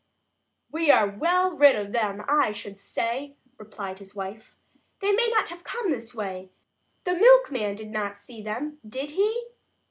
"We are well rid of them, I should say," replied his wife. "They may not have come this way. The milkman did not see them, did he?"